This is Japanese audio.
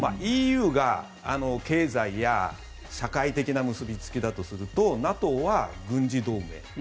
ＥＵが経済や社会的な結びつきだとするとＮＡＴＯは軍事同盟。